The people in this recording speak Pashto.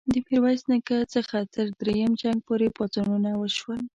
د میرویس نیکه څخه تر دریم جنګ پوري پاڅونونه وشول.